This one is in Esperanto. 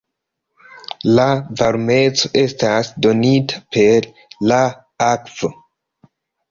La varmeco estas donita per la akvo.